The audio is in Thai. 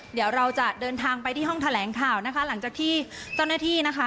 เดี๋ยวเราจะเดินทางไปที่ห้องแถลงข่าวนะคะหลังจากที่เจ้าหน้าที่นะคะ